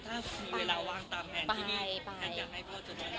ถ้าคุณมีเวลาวางตามแผนที่นี่แผนจะให้พวกเจ้าตัวเนี่ย